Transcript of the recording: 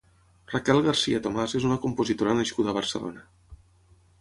Raquel García-Tomás és una compositora nascuda a Barcelona.